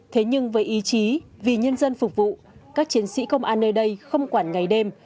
thế nhưng với ý chí vì nhân dân phục vụ các chiến sĩ công an nơi đây không quản ngày đêm